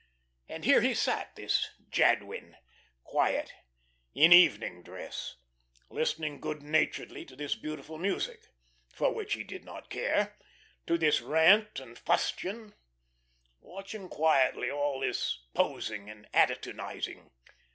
And here he sat, this Jadwin, quiet, in evening dress, listening good naturedly to this beautiful music, for which he did not care, to this rant and fustian, watching quietly all this posing and attitudinising.